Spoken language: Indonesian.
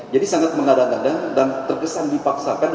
jadi sangat mengadang adang dan terkesan dipaksakan